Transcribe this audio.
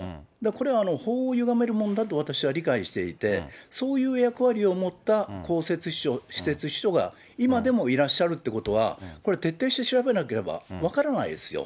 これは法をゆがめるものだと私は理解していて、そういう役割を持った公設秘書、私設秘書が今でもいらっしゃるということは、これ、徹底して調べなければ分からないですよ。